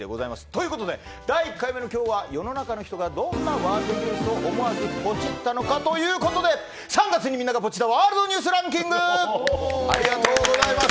ということで第１回の今日は世の中の人がどんなワールドニュースを思わずポチったのかということで３月にみんながポチったワールドニュースランキング！